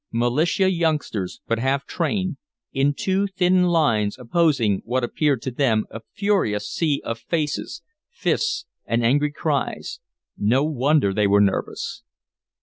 Militia youngsters but half trained, in two thin lines opposing what appeared to them a furious sea of faces, fists and angry cries no wonder they were nervous.